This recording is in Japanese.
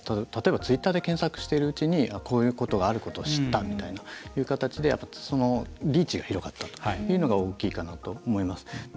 例えば、ツイッターで検索しているうちにこういうことがあることを知ったみたいな、そういう形でリーチが広がったというのが大きいかなと思います。